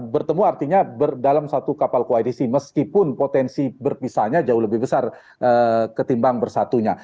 bertemu artinya dalam satu kapal koalisi meskipun potensi berpisahnya jauh lebih besar ketimbang bersatunya